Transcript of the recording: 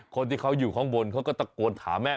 คนที่เขาอยู่ข้างบนเขาก็ตะโกนถามแม่